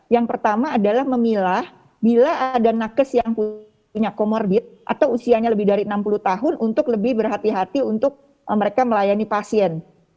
yang pertama adalah memilah bila ada nakes yang punya comorbid atau usianya lebih dari enam puluh tahun untuk lebih berhati hati untuk mereka melayani pasien